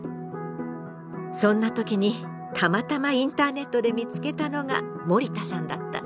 そんな時にたまたまインターネットで見つけたのが森田さんだった。